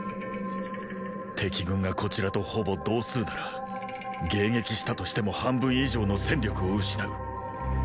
敵軍がこちらとほぼ同数なら迎撃したとしても半分以上の戦力を失う。